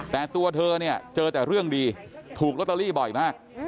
แต่ตัวเธอเนี่ยเจอแต่เรื่องดีถูกลอตเตอรี่บ่อยมาก